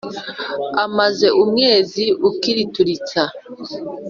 maze umwezi ukrituritsa